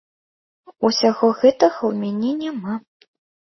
Усяго гэтага ў мяне няма.